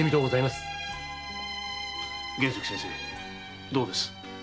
玄石先生どうです？